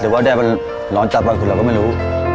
หรือว่าแดดว่าน้อนจับบ้านคุณเราก็ไม่รู้